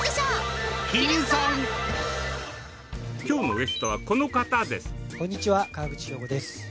今日のゲストはこの方です。